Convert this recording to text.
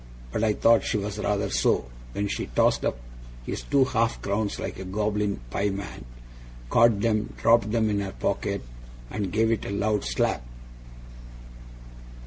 But I thought she was rather so, when she tossed up his two half crowns like a goblin pieman, caught them, dropped them in her pocket, and gave it a loud slap.